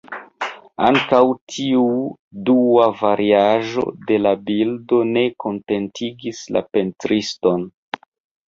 Ankaŭ tiu dua variaĵo de la bildo ne kontentigis la pentriston.